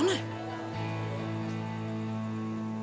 ini pada kemana ya